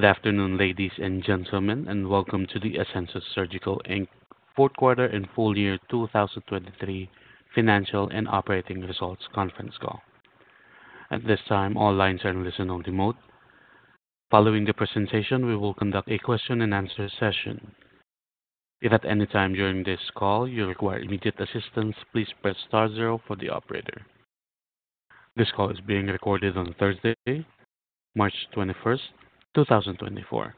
Good afternoon, ladies and gentlemen, and welcome to the Asensus Surgical Inc. Fourth Quarter and Full Year 2023 Financial and Operating Results Conference Call. At this time, all lines are in a listen-only mode. Following the presentation, we will conduct a question-and-answer session. If at any time during this call you require immediate assistance, please press star zero for the operator. This call is being recorded on Thursday, March 21st, 2024.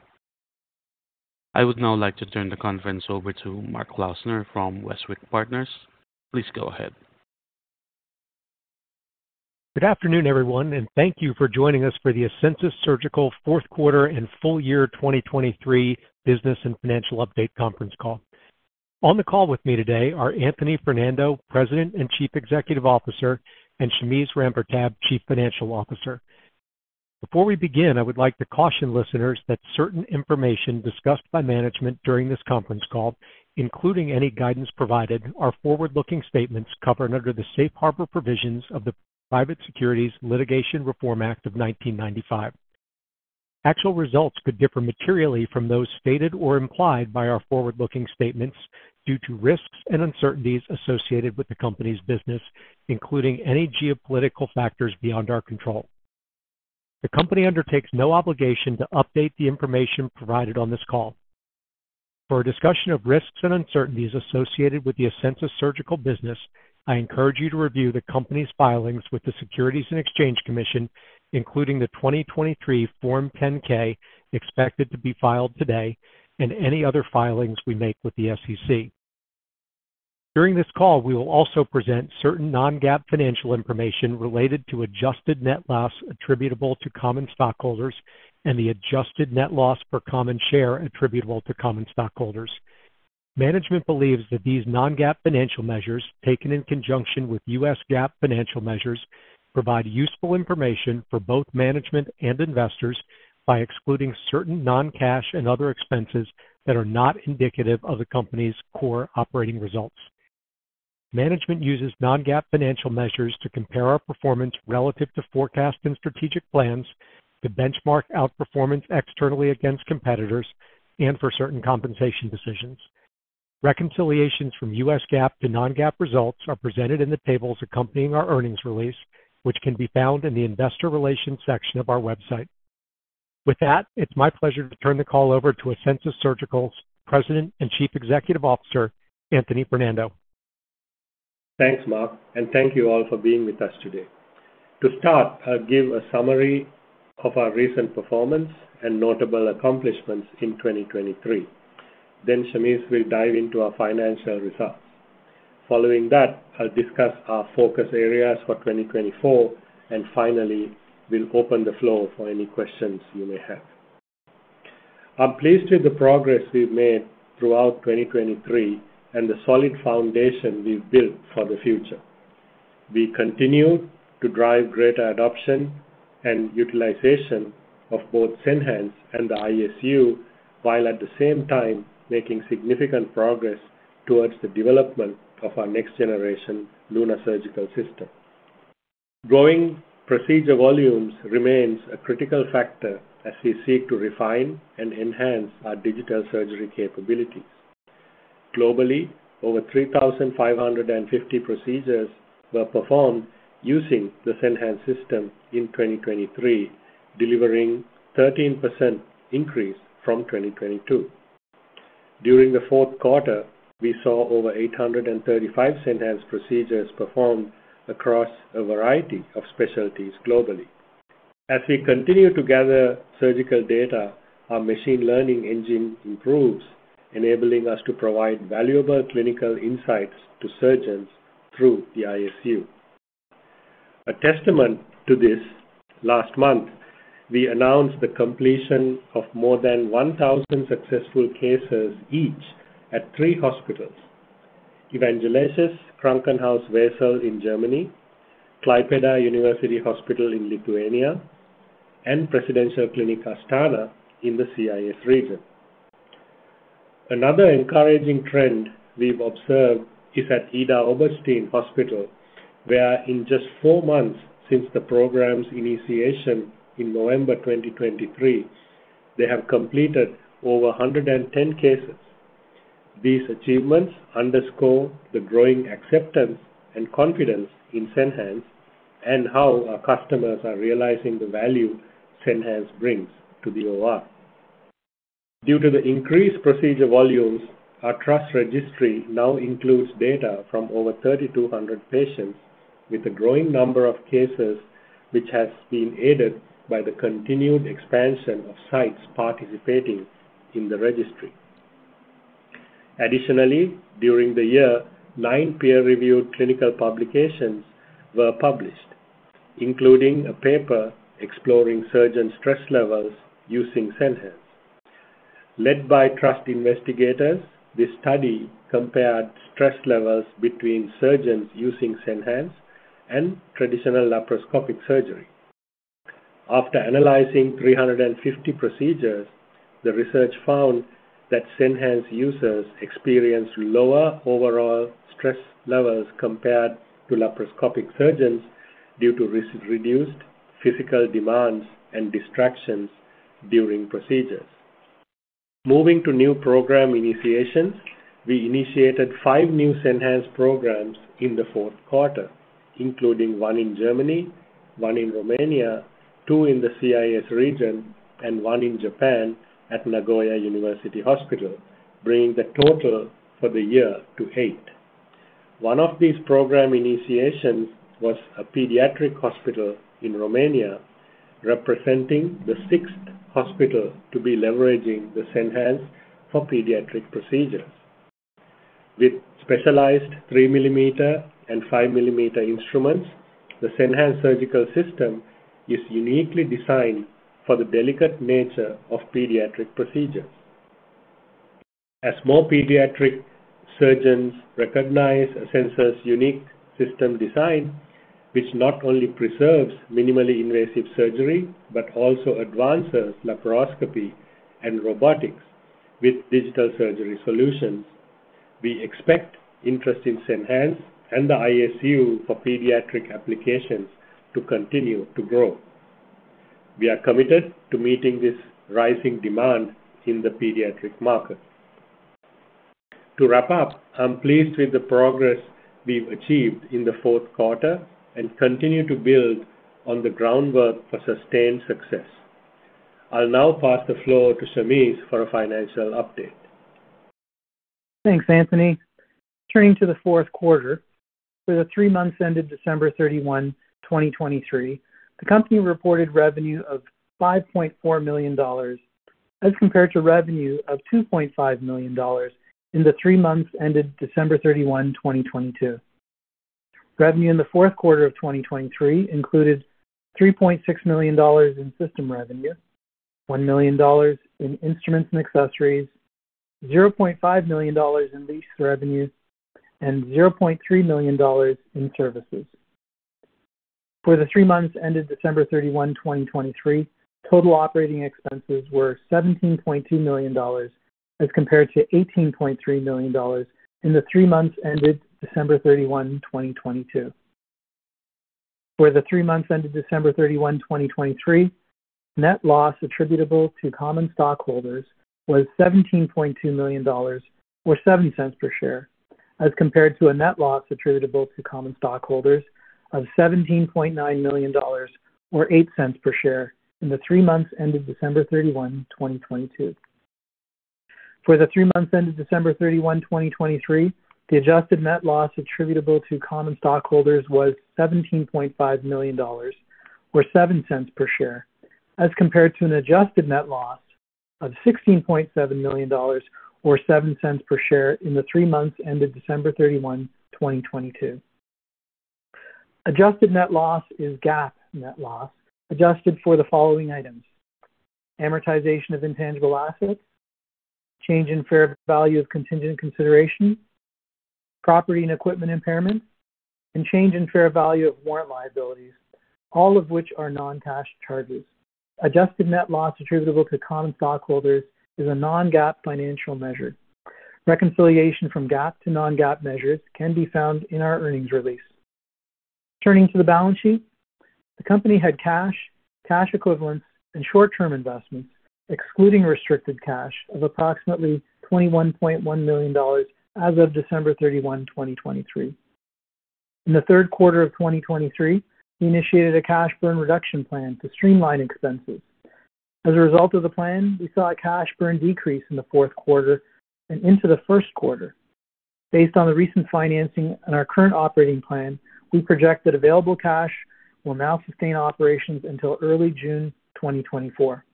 I would now like to turn the conference over to Mark Klausner from Westwicke Partners. Please go ahead. Good afternoon, everyone, and thank you for joining us for the Asensus Surgical Fourth Quarter and Full Year 2023 Business and Financial Update Conference Call. On the call with me today are Anthony Fernando, President and Chief Executive Officer, and Shameze Rampertab, Chief Financial Officer. Before we begin, I would like to caution listeners that certain information discussed by management during this conference call, including any guidance provided, are forward-looking statements covered under the Safe Harbor provisions of the Private Securities Litigation Reform Act of 1995. Actual results could differ materially from those stated or implied by our forward-looking statements due to risks and uncertainties associated with the company's business, including any geopolitical factors beyond our control. The company undertakes no obligation to update the information provided on this call. For a discussion of risks and uncertainties associated with the Asensus Surgical business, I encourage you to review the company's filings with the Securities and Exchange Commission, including the 2023 Form 10-K expected to be filed today, and any other filings we make with the SEC. During this call, we will also present certain non-GAAP financial information related to adjusted net loss attributable to common stockholders and the adjusted net loss per common share attributable to common stockholders. Management believes that these non-GAAP financial measures, taken in conjunction with U.S. GAAP financial measures, provide useful information for both management and investors by excluding certain non-cash and other expenses that are not indicative of the company's core operating results. Management uses non-GAAP financial measures to compare our performance relative to forecast and strategic plans, to benchmark outperformance externally against competitors, and for certain compensation decisions. Reconciliations from U.S. GAAP to non-GAAP results are presented in the tables accompanying our earnings release, which can be found in the Investor Relations section of our website. With that, it's my pleasure to turn the call over to Asensus Surgical's President and Chief Executive Officer, Anthony Fernando. Thanks, Mark, and thank you all for being with us today. To start, I'll give a summary of our recent performance and notable accomplishments in 2023. Then Shameze will dive into our financial results. Following that, I'll discuss our focus areas for 2024, and finally, we'll open the floor for any questions you may have. I'm pleased with the progress we've made throughout 2023 and the solid foundation we've built for the future. We continue to drive greater adoption and utilization of both Senhance and the ISU while at the same time making significant progress towards the development of our next-generation LUNA Surgical System. Growing procedure volumes remain a critical factor as we seek to refine and enhance our digital surgery capabilities. Globally, over 3,550 procedures were performed using the Senhance system in 2023, delivering a 13% increase from 2022. During the fourth quarter, we saw over 835 Senhance procedures performed across a variety of specialties globally. As we continue to gather surgical data, our machine learning engine improves, enabling us to provide valuable clinical insights to surgeons through the ISU. A testament to this, last month, we announced the completion of more than 1,000 successful cases each at three hospitals: Evangelisches Krankenhaus Wesel in Germany, Klaipėda University Hospital in Lithuania, and Presidential Clinic Astana in the CIS region. Another encouraging trend we've observed is at Klinikum Idar-Oberstein, where, in just four months since the program's initiation in November 2023, they have completed over 110 cases. These achievements underscore the growing acceptance and confidence in Senhance and how our customers are realizing the value Senhance brings to the OR. Due to the increased procedure volumes, our TRUST Registry now includes data from over 3,200 patients, with a growing number of cases which has been aided by the continued expansion of sites participating in the registry. Additionally, during the year, nine peer-reviewed clinical publications were published, including a paper exploring surgeon stress levels using Senhance. Led by TRUST investigators, this study compared stress levels between surgeons using Senhance and traditional laparoscopic surgery. After analyzing 350 procedures, the research found that Senhance users experienced lower overall stress levels compared to laparoscopic surgeons due to reduced physical demands and distractions during procedures. Moving to new program initiations, we initiated five new Senhance programs in the fourth quarter, including one in Germany, one in Romania, two in the CIS region, and one in Japan at Nagoya University Hospital, bringing the total for the year to eight. One of these program initiations was a pediatric hospital in Romania, representing the sixth hospital to be leveraging the Senhance for pediatric procedures. With specialized 3-mm and 5-mm instruments, the Senhance surgical system is uniquely designed for the delicate nature of pediatric procedures. As more pediatric surgeons recognize Asensus' unique system design, which not only preserves minimally invasive surgery but also advances laparoscopy and robotics with digital surgery solutions, we expect interest in Senhance and the ISU for pediatric applications to continue to grow. We are committed to meeting this rising demand in the pediatric market. To wrap up, I'm pleased with the progress we've achieved in the fourth quarter and continue to build on the groundwork for sustained success. I'll now pass the floor to Shameze for a financial update. Thanks, Anthony. Turning to the fourth quarter, for the three months ended December 31, 2023, the company reported revenue of $5.4 million as compared to revenue of $2.5 million in the three months ended December 31, 2022. Revenue in the fourth quarter of 2023 included $3.6 million in system revenue, $1 million in instruments and accessories, $0.5 million in lease revenue, and $0.3 million in services. For the three months ended December 31, 2023, total operating expenses were $17.2 million as compared to $18.3 million in the three months ended December 31, 2022. For the three months ended December 31, 2023, net loss attributable to common stockholders was $17.2 million or $0.07 per share as compared to a net loss attributable to common stockholders of $17.9 million or $0.08 per share in the three months ended December 31, 2022. For the three months ended December 31, 2023, the Adjusted Net Loss attributable to common stockholders was $17.5 million or $0.07 per share as compared to an Adjusted Net Loss of $16.7 million or $0.07 per share in the three months ended December 31, 2022. Adjusted Net Loss is GAAP net loss adjusted for the following items: amortization of intangible assets, change in fair value of contingent consideration, property and equipment impairments, and change in fair value of warrant liabilities, all of which are non-cash charges. Adjusted Net Loss attributable to common stockholders is a non-GAAP financial measure. Reconciliation from GAAP to non-GAAP measures can be found in our earnings release. Turning to the balance sheet, the company had cash, cash equivalents, and short-term investments, excluding restricted cash, of approximately $21.1 million as of December 31, 2023. In the third quarter of 2023, we initiated a cash burn reduction plan to streamline expenses. As a result of the plan, we saw a cash burn decrease in the fourth quarter and into the first quarter. Based on the recent financing and our current operating plan, we project that available cash will now sustain operations until early June 2024.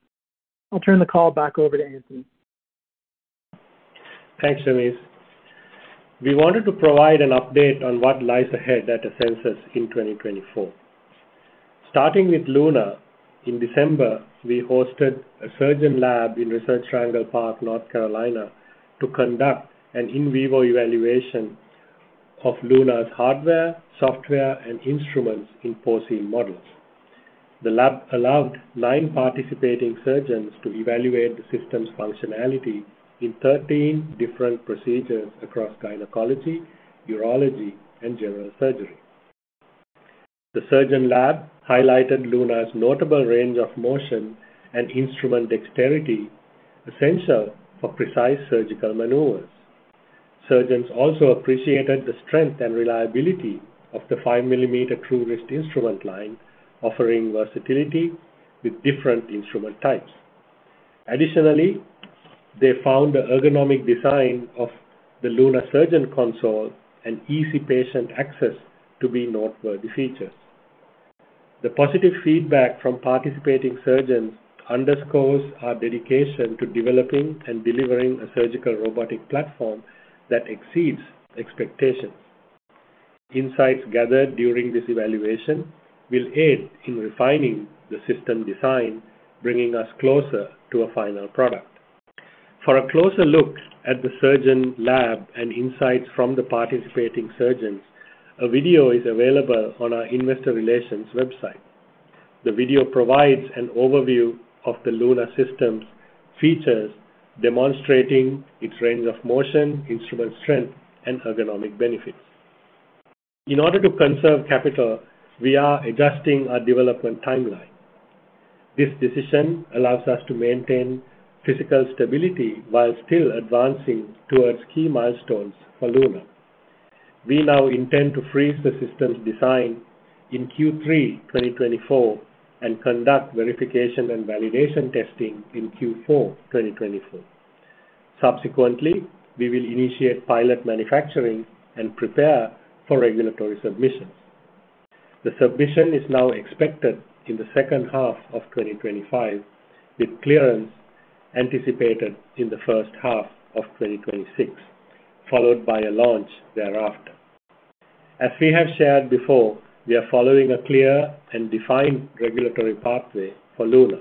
I'll turn the call back over to Anthony. Thanks, Shameze. We wanted to provide an update on what lies ahead at Asensus in 2024. Starting with LUNA, in December, we hosted a surgeon lab in Research Triangle Park, North Carolina, to conduct an in vivo evaluation of LUNA's hardware, software, and instruments in porcine models. The lab allowed nine participating surgeons to evaluate the system's functionality in 13 different procedures across gynecology, urology, and general surgery. The surgeon lab highlighted LUNA's notable range of motion and instrument dexterity, essential for precise surgical maneuvers. Surgeons also appreciated the strength and reliability of the 5 mm TrueWrist instrument line, offering versatility with different instrument types. Additionally, they found the ergonomic design of the LUNA surgeon console and easy patient access to be noteworthy features. The positive feedback from participating surgeons underscores our dedication to developing and delivering a surgical robotic platform that exceeds expectations. Insights gathered during this evaluation will aid in refining the system design, bringing us closer to a final product. For a closer look at the surgeon lab and insights from the participating surgeons, a video is available on our Investor Relations website. The video provides an overview of the LUNA system's features, demonstrating its range of motion, instrument strength, and ergonomic benefits. In order to conserve capital, we are adjusting our development timeline. This decision allows us to maintain physical stability while still advancing towards key milestones for LUNA. We now intend to freeze the system's design in Q3 2024 and conduct verification and validation testing in Q4 2024. Subsequently, we will initiate pilot manufacturing and prepare for regulatory submissions. The submission is now expected in the second half of 2025, with clearance anticipated in the first half of 2026, followed by a launch thereafter. As we have shared before, we are following a clear and defined regulatory pathway for LUNA.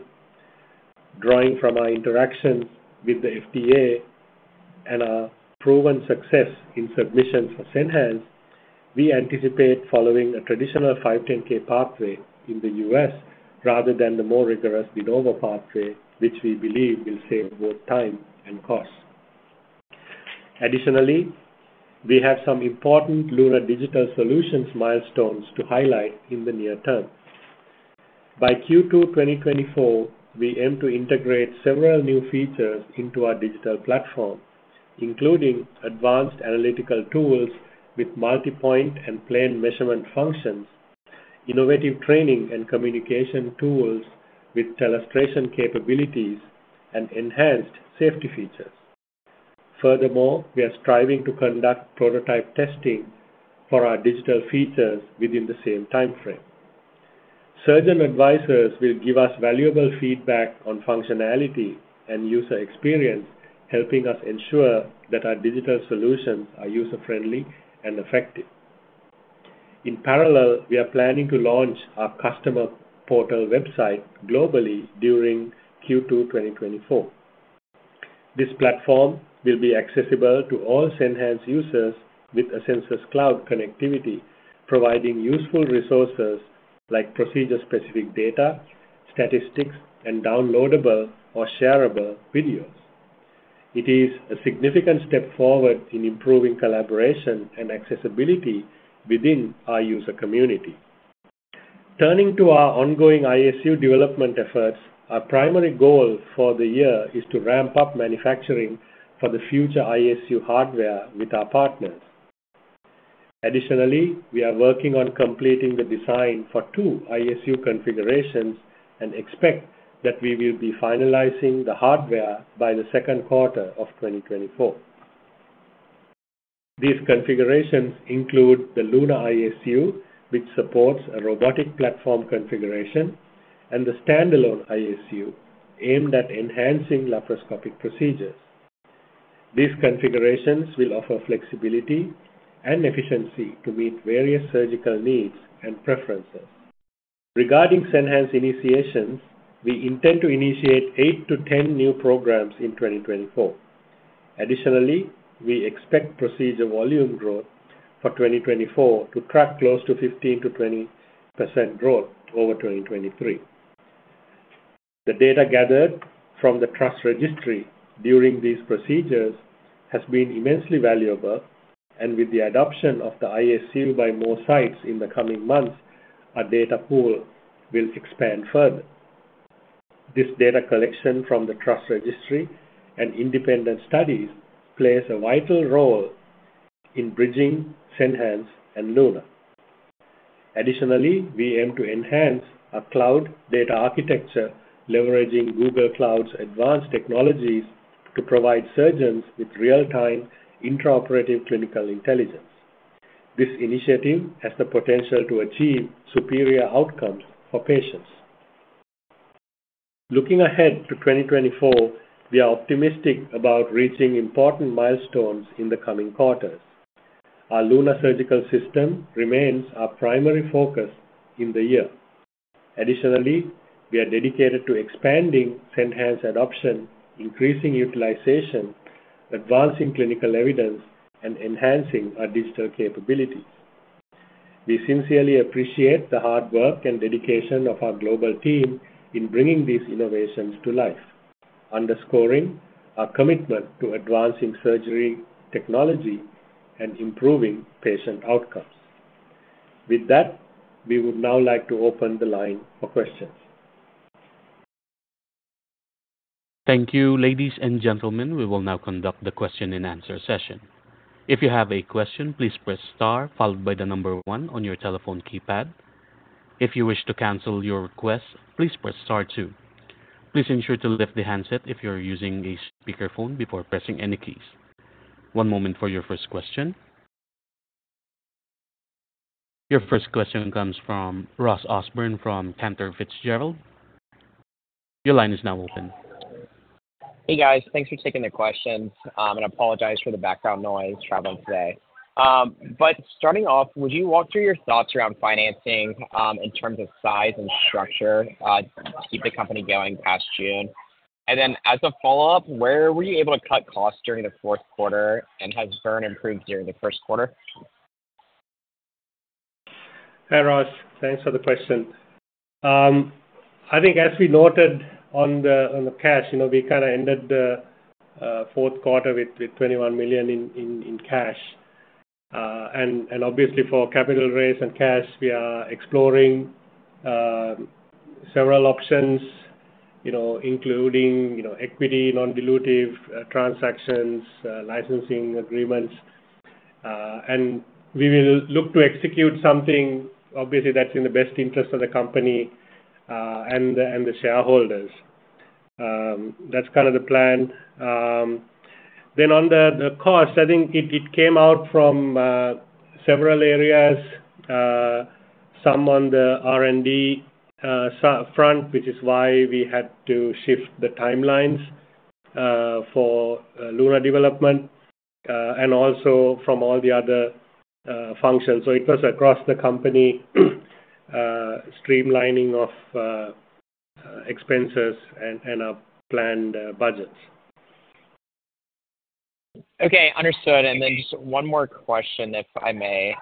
Drawing from our interactions with the FDA and our proven success in submissions for Senhance, we anticipate following a traditional 510(k) pathway in the U.S. rather than the more rigorous De Novo pathway, which we believe will save both time and cost. Additionally, we have some important LUNA digital solutions milestones to highlight in the near term. By Q2 2024, we aim to integrate several new features into our digital platform, including advanced analytical tools with multi-point and plane measurement functions, innovative training and communication tools with telestration capabilities, and enhanced safety features. Furthermore, we are striving to conduct prototype testing for our digital features within the same timeframe. Surgeon advisors will give us valuable feedback on functionality and user experience, helping us ensure that our digital solutions are user-friendly and effective. In parallel, we are planning to launch our customer portal website globally during Q2 2024. This platform will be accessible to all Senhance users with Asensus Cloud connectivity, providing useful resources like procedure-specific data, statistics, and downloadable or shareable videos. It is a significant step forward in improving collaboration and accessibility within our user community. Turning to our ongoing ISU development efforts, our primary goal for the year is to ramp up manufacturing for the future ISU hardware with our partners. Additionally, we are working on completing the design for two ISU configurations and expect that we will be finalizing the hardware by the second quarter of 2024. These configurations include the LUNA ISU, which supports a robotic platform configuration, and the standalone ISU aimed at enhancing laparoscopic procedures. These configurations will offer flexibility and efficiency to meet various surgical needs and preferences. Regarding Senhance initiations, we intend to initiate 8-10 new programs in 2024. Additionally, we expect procedure volume growth for 2024 to track close to 15%-20% growth over 2023. The data gathered from the TRUST Registry during these procedures has been immensely valuable, and with the adoption of the ISU by more sites in the coming months, our data pool will expand further. This data collection from the TRUST Registry and independent studies plays a vital role in bridging Senhance and LUNA. Additionally, we aim to enhance our cloud data architecture, leveraging Google Cloud's advanced technologies to provide surgeons with real-time intraoperative clinical intelligence. This initiative has the potential to achieve superior outcomes for patients. Looking ahead to 2024, we are optimistic about reaching important milestones in the coming quarters. Our LUNA surgical system remains our primary focus in the year. Additionally, we are dedicated to expanding Senhance adoption, increasing utilization, advancing clinical evidence, and enhancing our digital capabilities. We sincerely appreciate the hard work and dedication of our global team in bringing these innovations to life, underscoring our commitment to advancing surgery technology and improving patient outcomes. With that, we would now like to open the line for questions. Thank you, ladies and gentlemen. We will now conduct the question-and-answer session. If you have a question, please press star followed by the number one on your telephone keypad. If you wish to cancel your request, please press star two. Please ensure to lift the handset if you're using a speakerphone before pressing any keys. One moment for your first question. Your first question comes from Ross Osborn from Cantor Fitzgerald. Your line is now open. Hey, guys. Thanks for taking the questions. I apologize for the background noise traveling today. Starting off, would you walk through your thoughts around financing in terms of size and structure to keep the company going past June? Then as a follow-up, where were you able to cut costs during the fourth quarter, and has the burn rate improved during the first quarter? Hi, Ross. Thanks for the question. I think as we noted on the cash, we kind of ended the fourth quarter with $21 million in cash. And obviously, for capital raise and cash, we are exploring several options, including equity, non-dilutive transactions, licensing agreements. And we will look to execute something, obviously, that's in the best interest of the company and the shareholders. That's kind of the plan. Then on the cost, I think it came out from several areas, some on the R&D front, which is why we had to shift the timelines for LUNA development, and also from all the other functions. So it was across the company streamlining of expenses and our planned budgets. Okay, understood. Then just one more question, if I may.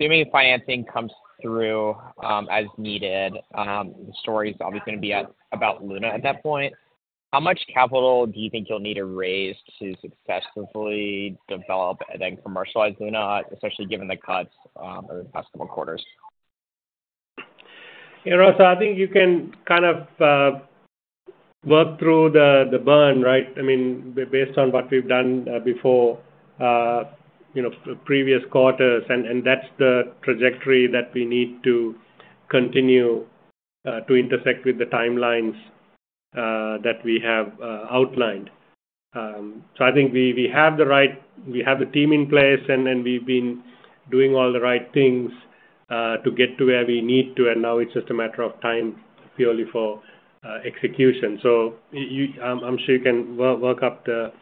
Assuming financing comes through as needed, the story is obviously going to be about LUNA at that point. How much capital do you think you'll need to raise to successfully develop and then commercialize LUNA, especially given the cuts over the past couple of quarters? Yeah, Ross, I think you can kind of work through the burn, right? I mean, based on what we've done before, previous quarters, and that's the trajectory that we need to continue to intersect with the timelines that we have outlined. So I think we have the team in place, and we've been doing all the right things to get to where we need to. And now it's just a matter of time purely for execution. So I'm sure you can work up the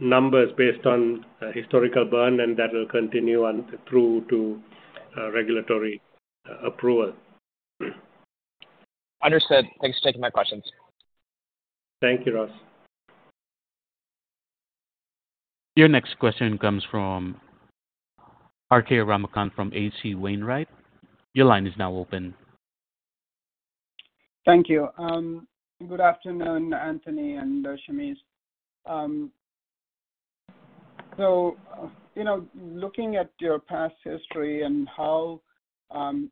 numbers based on historical burn, and that will continue through to regulatory approval. Understood. Thanks for taking my questions. Thank you, Ross. Your next question comes from Swayampakula Ramakanth from H.C. Wainwright. Your line is now open. Thank you. Good afternoon, Anthony and Shameze. So looking at your past history and how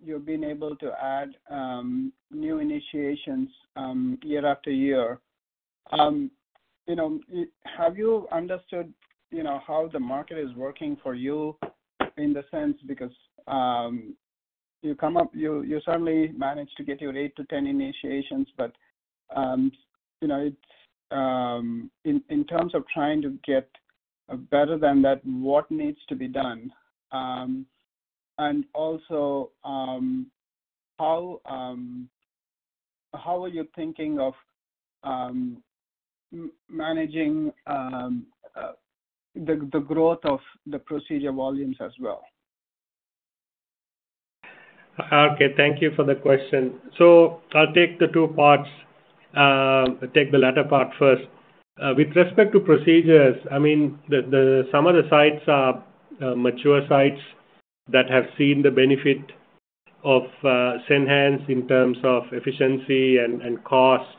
you've been able to add new initiations year after year, have you understood how the market is working for you in the sense because you certainly managed to get your 8-10 initiations, but in terms of trying to get better than that, what needs to be done? And also, how are you thinking of managing the growth of the procedure volumes as well? R.K., thank you for the question. So I'll take the two parts. I'll take the latter part first. With respect to procedures, I mean, some of the sites are mature sites that have seen the benefit of Senhance in terms of efficiency and cost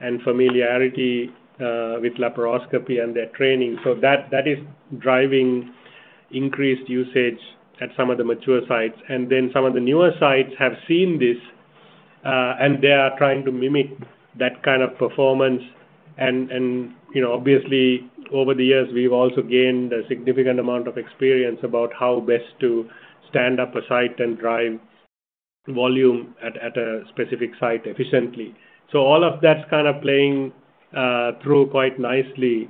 and familiarity with laparoscopy and their training. So that is driving increased usage at some of the mature sites. And then some of the newer sites have seen this, and they are trying to mimic that kind of performance. And obviously, over the years, we've also gained a significant amount of experience about how best to stand up a site and drive volume at a specific site efficiently. So all of that's kind of playing through quite nicely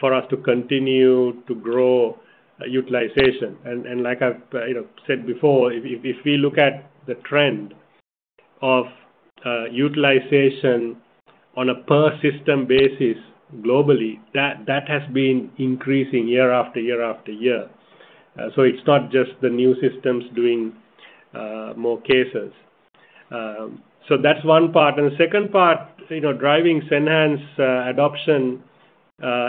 for us to continue to grow utilization. Like I've said before, if we look at the trend of utilization on a per-system basis globally, that has been increasing year after year after year. It's not just the new systems doing more cases. That's one part. The second part, driving Senhance adoption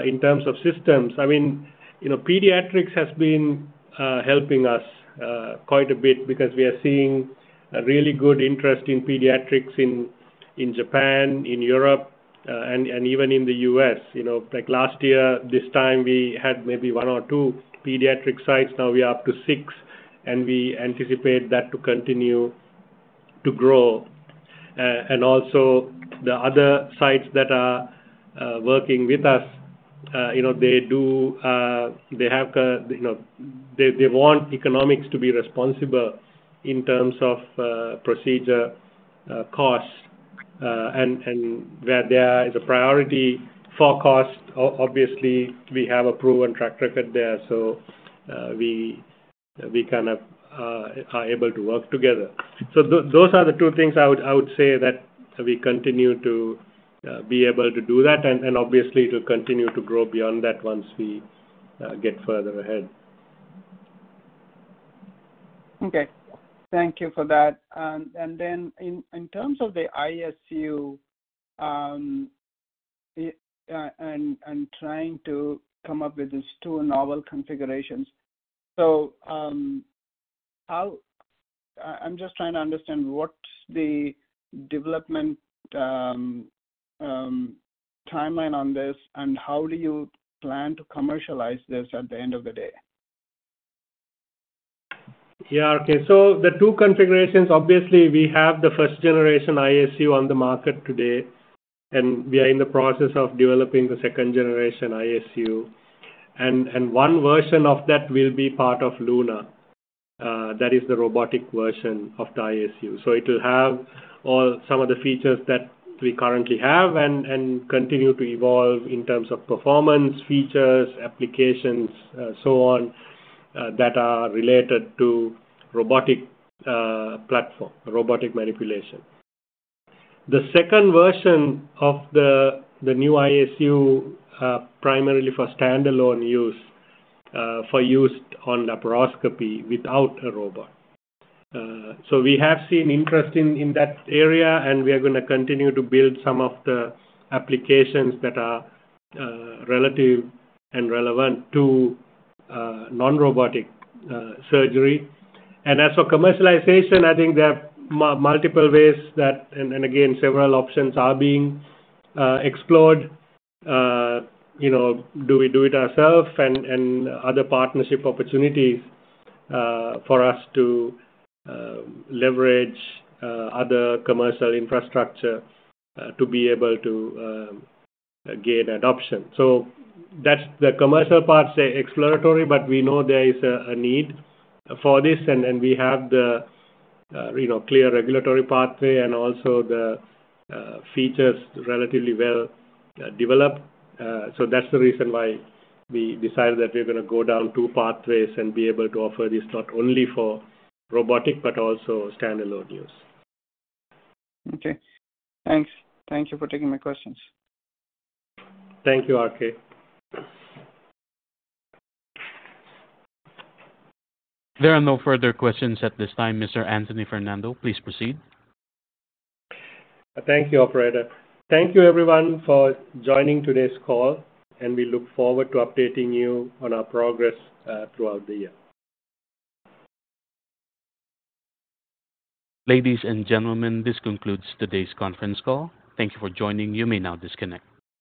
in terms of systems, I mean, pediatrics has been helping us quite a bit because we are seeing a really good interest in pediatrics in Japan, in Europe, and even in the U.S. Last year, this time, we had maybe one or two pediatric sites. Now we are up to six, and we anticipate that to continue to grow. Also, the other sites that are working with us, they want economics to be responsible in terms of procedure cost, and where there is a priority for cost, obviously, we have a proven track record there. We kind of are able to work together. Those are the two things I would say that we continue to be able to do that, and obviously, it will continue to grow beyond that once we get further ahead. Okay. Thank you for that. Then, in terms of the ISU and trying to come up with these two novel configurations, so how I'm just trying to understand what's the development timeline on this? And how do you plan to commercialize this at the end of the day? Yeah, okay. So the two configurations, obviously, we have the first-generation ISU on the market today, and we are in the process of developing the second-generation ISU. And one version of that will be part of LUNA. That is the robotic version of the ISU. So it will have some of the features that we currently have and continue to evolve in terms of performance, features, applications, so on, that are related to robotic platform, robotic manipulation. The second version of the new ISU, primarily for standalone use, for use on laparoscopy without a robot. So we have seen interest in that area, and we are going to continue to build some of the applications that are relative and relevant to non-robotic surgery. And as for commercialization, I think there are multiple ways that and again, several options are being explored. Do we do it ourselves? Other partnership opportunities for us to leverage other commercial infrastructure to be able to gain adoption. The commercial parts are exploratory, but we know there is a need for this, and we have the clear regulatory pathway and also the features relatively well developed. That's the reason why we decided that we're going to go down two pathways and be able to offer this not only for robotic but also standalone use. Okay. Thanks. Thank you for taking my questions. Thank you, R.K. There are no further questions at this time. Mr. Anthony Fernando, please proceed. Thank you, operator. Thank you, everyone, for joining today's call, and we look forward to updating you on our progress throughout the year. Ladies and gentlemen, this concludes today's conference call. Thank you for joining. You may now disconnect.